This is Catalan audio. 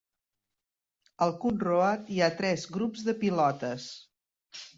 Al "cutthroat" hi ha tres grups de pilotes.